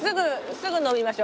すぐ飲みましょ。